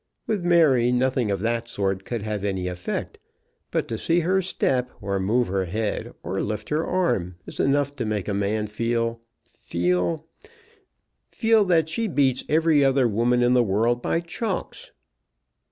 With Mary nothing of that sort could have any effect; but to see her step, or move her head, or lift her arm, is enough to make a man feel, feel, feel that she beats every other woman in the world by chalks."